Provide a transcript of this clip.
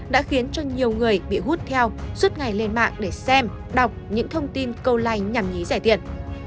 đã khiến cho nhiều người bị hút theo suốt ngày lên mạng để xem đọc những thông tin câu like nhằm nhí rẻ